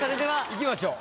いきましょう。